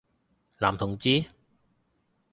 男同志？